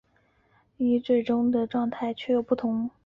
但是最终的结果与最初的状态却又不同。